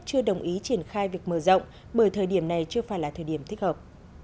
chưa đồng ý triển khai việc mở rộng bởi thời điểm này chưa phải là thời điểm thích hợp